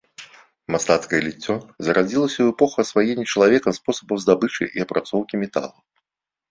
Мастацкае ліццё зарадзілася ў эпоху асваення чалавекам спосабаў здабычы і апрацоўкі металу.